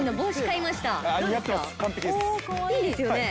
いいですよね？